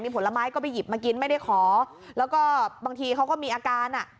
ผลไม้ก็ไปหยิบมากินไม่ได้ขอแล้วก็บางทีเขาก็มีอาการอ่ะ